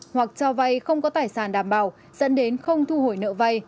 hoặc cho vay không có tài sản đảm bảo dẫn đến không thu hồi nợ vay